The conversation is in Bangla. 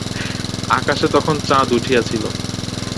আকাশে তখন চাদ উঠিয়াছিল।